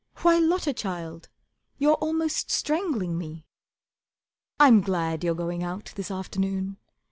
Why, Lotta child, you're almost strangling me. I'm glad you're going out this afternoon.